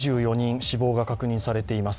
２４人死亡が確認されています。